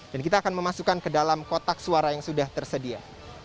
dan kita akan memasukkan ke dalam kotak suara yang sudah tersedia